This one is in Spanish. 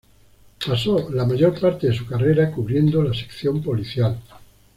Pasó la mayor parte de su carrera cubriendo la sección policial.